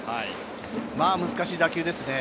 まぁ難しい打球ですね。